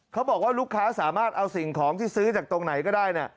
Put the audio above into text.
เขาบอกว่าลูกค้าสามารถเอาสิ่งของที่ซื้อจากตรงไหนก็ได้